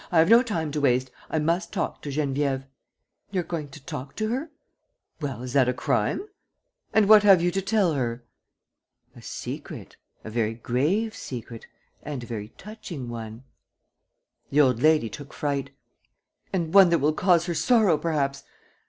I have no time to waste. I must talk to Geneviève." "You're going to talk to her?" "Well, is that a crime?" "And what have you to tell her?" "A secret ... a very grave secret ... and a very touching one. ..." The old lady took fright: "And one that will cause her sorrow, perhaps?